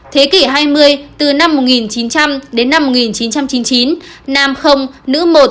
thế kỷ hai mươi từ năm một nghìn chín trăm linh đến năm một nghìn chín trăm chín mươi chín nam không nữ một